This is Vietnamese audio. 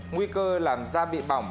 nguy cơ làm da bị bỏng